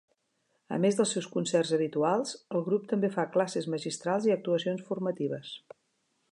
A més dels seus concerts habituals, el grup també fa classes magistrals i actuacions formatives.